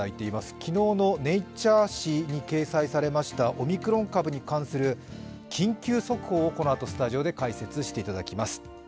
昨日の「ネイチャー」紙に掲載されましたオミクロン株に関する緊急速報をこのあとスタジオで解説していただきます。